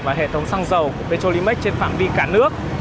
và hệ thống săng dầu của petrolimed trên phạm vi cả nước